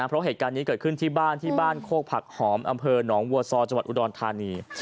เพราะเหตุการณ์นี้เกิดขึ้นที่บ้านที่บ้านโคกผักหอมอำเภอหนองวัวซอจังหวัดอุดรธานี